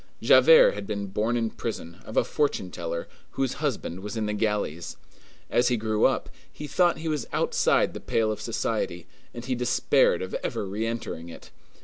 Javert had been born in prison, of a fortune teller, whose husband was in the galleys. As he grew up, he thought that he was outside the pale of society, and he despaired of ever re entering it.